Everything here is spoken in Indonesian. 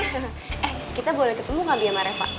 eh kita boleh ketemu nggak biar marah pak